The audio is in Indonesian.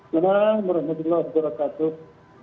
selamat malam merahmatullah terima kasih